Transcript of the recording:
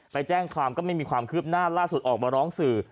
ไปแจ้งความก็ไม่มีความคืบหน้าล่าสุดออกมาร้องสื่อ